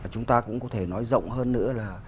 chúng ta cũng có thể nói rộng hơn nữa là